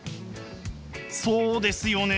そうですよね！